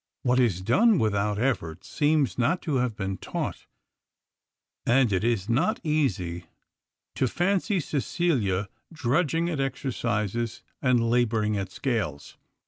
What is done without effort seems not to have been taught, and it is not easy to fancy Cecilia drudging at exercises and laboring at scales.